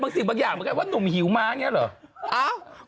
บางทีบางอย่างแม่งคิดว่านุ่มหิวมาร์นี่หรอ